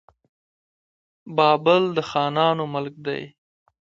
بابل د خانانو ملک دی.